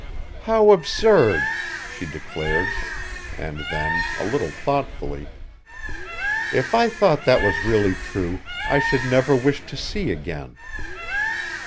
"How absurd," she declared and then, a little thoughtfully, "if I thought that was really true, I should never wish to see again.